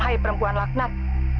hai perempuan laknat